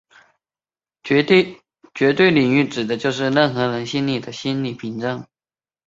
绝对领域指的就是任何人心里的心理屏障。